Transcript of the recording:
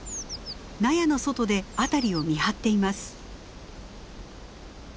納屋の外で辺りを見張っています。